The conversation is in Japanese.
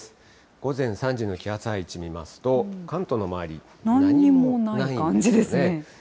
午前３時の気圧配置見ますと、関東の周り、なんにもないですね。